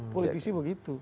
politik sih begitu